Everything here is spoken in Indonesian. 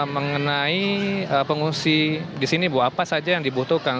mengenai pengungsi di sini bu apa saja yang dibutuhkan